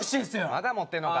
まだ持ってんのか。